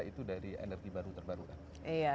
itu dari energi baru terbarukan